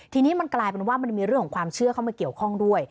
ทีนี้มันกลายเป็นว่ามันมีเรื่องของความเชื่อเข้ามาเกี่ยวข้องด้วย